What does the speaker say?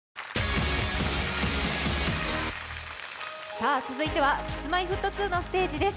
さあ続いてはＫｉｓ−Ｍｙ−Ｆｔ２のステージです。